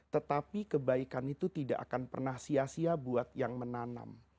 tetapi kebaikan itu tidak akan pernah sia sia buat yang menanam